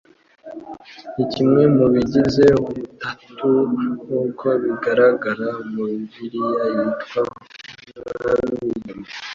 ni kimwe mu bigize Ubutatu, nk'uko bigaragara muri Bibiliya yitwa umwami james